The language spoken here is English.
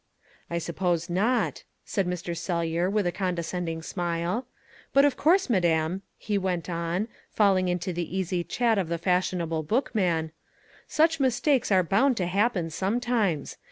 "I suppose not," said Mr. Sellyer, with a condescending smile. "But of course, madam," he went on, falling into the easy chat of the fashionable bookman, "such mistakes are bound to happen sometimes.